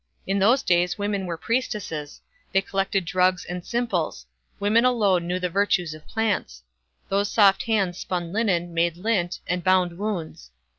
In those days women were priestesses; they collected drugs and simples; women alone knew the virtues of plants. Those soft hands spun linen, made lint, and bound wounds.